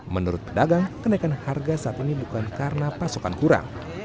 menurut pedagang kenaikan harga saat ini bukan karena pasokan kurang